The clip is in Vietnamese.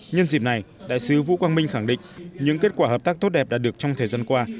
nhân dịp này đại sứ vũ quang minh khẳng định những kết quả hợp tác tốt đẹp đã được trong thời gian qua